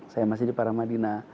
saya masih di paramadina